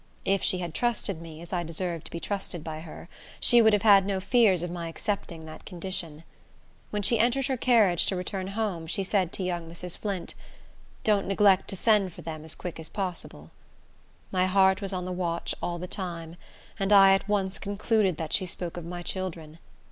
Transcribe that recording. If she had trusted me, as I deserved to be trusted by her, she would have had no fears of my accepting that condition. When she entered her carriage to return home, she said to young Mrs. Flint, "Don't neglect to send for them as quick as possible." My heart was on the watch all the time, and I at once concluded that she spoke of my children.